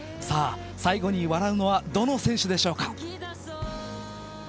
最後に笑うのはどの選手でしょうか。